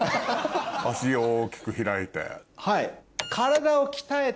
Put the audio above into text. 脚大きく開いて。